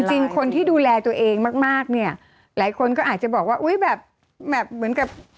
จริงคนที่ดูแลตัวเองมากเนี่ยหลายคนก็อาจจะบอกว่าอุ๊ยแบบเหมือนกับ